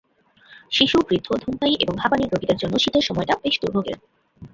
শিশু, বৃদ্ধ, ধূমপায়ী এবং হাঁপানির রোগীদের জন্য শীতের সময়টা বেশ দুর্ভোগের।